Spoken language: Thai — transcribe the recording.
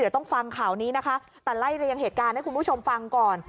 เดี๋ยวต้องฟังข่าวนี้นะคะแต่ไล่เรียงเหตุการณ์ให้คุณผู้ชมฟังก่อน